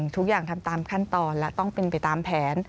ทุกอย่างทำตามขั้นตอนและต้องเป็นไปตามแผน